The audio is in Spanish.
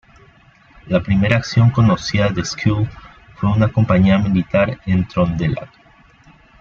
La primera acción conocida de Skule fue una campaña militar en Trøndelag.